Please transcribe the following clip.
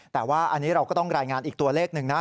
แต่ว่าอันนี้เราก็ต้องรายงานอีกตัวเลขหนึ่งนะ